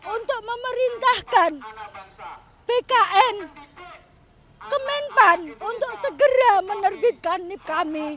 untuk memerintahkan bkn kementan untuk segera menerbitkan nip kami